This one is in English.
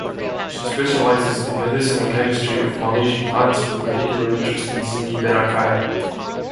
She specialises in medicinal chemistry of Malaysian plants with particular interest in Zingiberaceae.